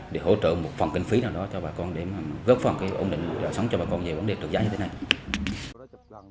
để hỗ trợ một phòng kinh phí nào đó cho bà con để góp phòng cái ổn định sống cho bà con về vấn đề trực giá như thế này